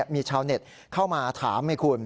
มีชาวเน็ตเข้ามาถามให้คุณ